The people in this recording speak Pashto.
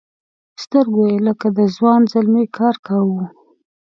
سترګو یې لکه د ځوان زلمي کار کاوه.